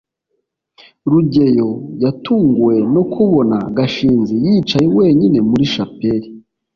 rugeyo yatunguwe no kubona gashinzi yicaye wenyine muri shapeli